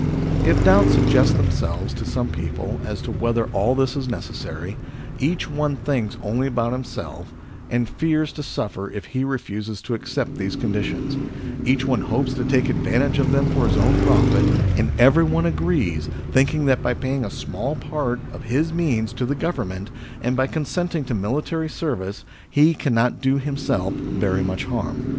If doubts suggest themselves to some people as to whether all this is necessary, each one thinks only about himself, and fears to suffer if he refuses to accept these conditions ; each one hopes to take advantage of them for his own profit, and everyone agrees, thinking that by paying a small part of his means to the Govern ment, and by consenting to military service, he cannot do himself very much harm.